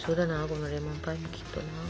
このレモンパイきっとな。